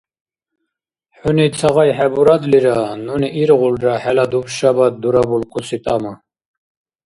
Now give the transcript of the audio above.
ХӀуни ца гъай хӀебурадлира, нуни иргъулра хӀела дубшабад дурабулхъуси тӀама.